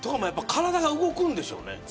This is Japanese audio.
体が動くんでしょうね。